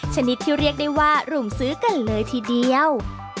ชนิดที่เรียกได้ว่ารุมซื้อกันเลยทีเดียว